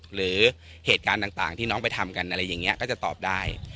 หรือเหตุการณ์ต่างที่น้องไปทำกันอะไรอย่างนี้ก็จะตอบได้